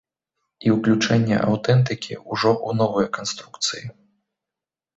І ўключэнне аўтэнтыкі ўжо ў новыя канструкцыі.